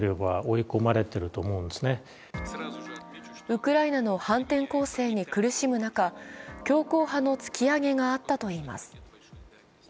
ウクライナの反転攻勢に苦しむ中強硬派の突き上げがあったといいます。